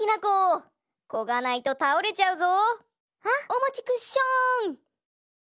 こがないとたおれちゃうぞ。